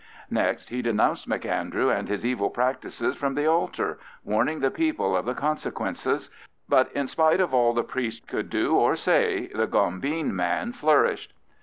Next he denounced M'Andrew and his evil practices from the altar, warning the people of the consequences; but in spite of all the priest could do or say the gombeen man flourished.